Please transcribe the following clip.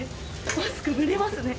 マスク蒸れますね。